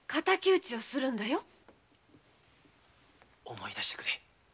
思い出してくれ。